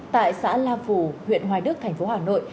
tại xã la phủ huyện hoài đức thành phố hà nội